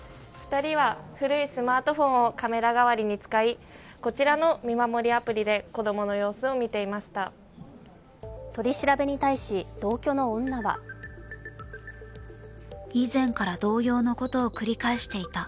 ２人は古いスマートフォンをカメラ代わりに使い、こちらの見守りアプリで子供の様子を見ていました。